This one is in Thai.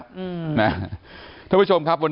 ที่มีข่าวเรื่องน้องหายตัว